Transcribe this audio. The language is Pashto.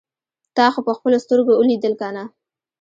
تا خو په خپلو سترګو اوليدل کنه.